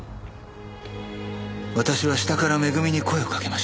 「私は下からめぐみに声をかけました」